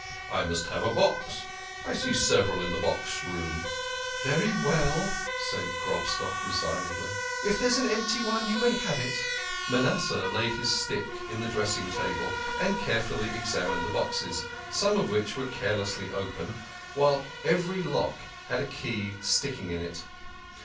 I must have a box. I see several in the box room." " Very well," said Grobstock resignedly. " If there's an empty one you may have it." Manasseh laid his stick on the dressing table and carefully examined the boxes, some of which were carelessly open, THE KING OF SCHNORRERS. 35 while every lock had a key sticking in it.